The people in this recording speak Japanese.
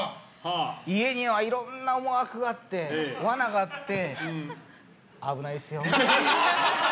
家にはいろんな思惑があって罠があって、危ないですよ？